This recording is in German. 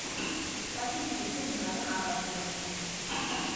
Lassen Sie mich bitte meine Arbeit verrichten!